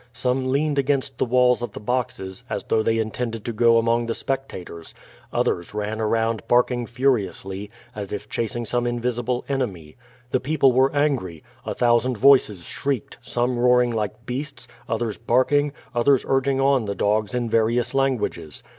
Some leaned against the walls of the boxes, as though they intended to go among the spectators; others ran around barking furiously, as if chasing sonid invisible enemy. The people wore augry. A thousand voijces shrieked, some roaring like beasts, others barking, othfers urging on the dogs in various languages.